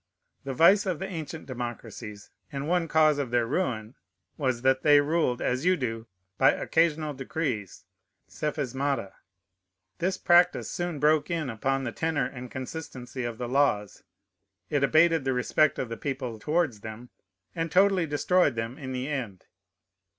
The vice of the ancient democracies, and one cause of their ruin, was, that they ruled, as you do, by occasional decrees, psephismata. This practice soon broke in upon the tenor and consistency of the laws; it abated the respect of the people towards them, and totally destroyed them in the end.